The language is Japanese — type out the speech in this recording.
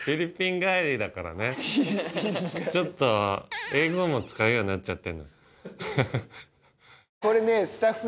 ちょっと英語も使うようになっちゃってる。